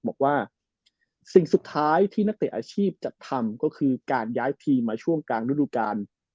บอกว่าสิ่งสุดท้ายที่นักเตะอาชีพจัดทำก็คือการย้ายทีมมาช่วงกลางฤดูกาล